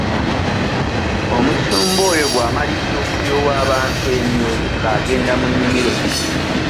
Omusumba oyo bw'amaliriza okulyowa abantu emwoyo ng'agenda mu nnimiro ye.